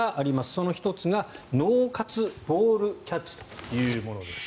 その１つが脳活ボールキャッチというものです。